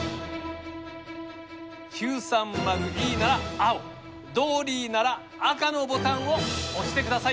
９３０Ｅなら青ドーリーなら赤のボタンを押して下さい。